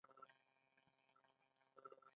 یوه رسۍ په میخ پورې کلکه وتړئ.